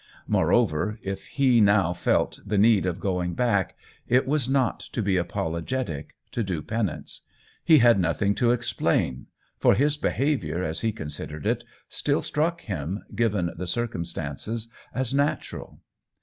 Moreover, if he now felt the need of going back, it was not to THE WHEEL OF TIME 67 be apologetic, to do penance ; he had noth ing to explain, for his behavior, as he con sidered it, still struck him, given the cir cumstances, as natural.